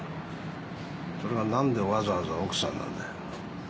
それがなんでわざわざ奥さんなんだよ。